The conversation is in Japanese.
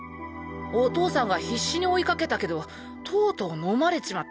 お父さんが必死に追い掛けたけどとうとうのまれちまった。